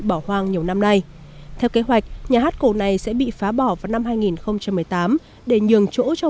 bỏ hoang nhiều năm nay theo kế hoạch nhà hát cổ này sẽ bị phá bỏ vào năm hai nghìn một mươi tám để nhường chỗ cho